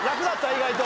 意外と。